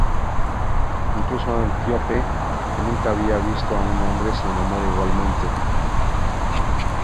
Incluso Antíope, que nunca había visto a un hombre, se enamora igualmente.